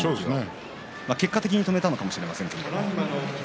結果的に止めたのかもしれませんが。